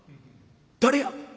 「誰や！？」。